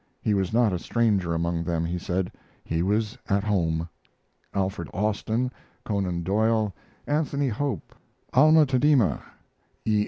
He was not a stranger among them, he said; he was at home. Alfred Austin, Conan Doyle, Anthony Hope, Alma Tadema, E.